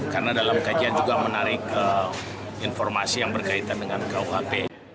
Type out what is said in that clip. karena dalam kajian juga menarik informasi yang berkaitan dengan kuhp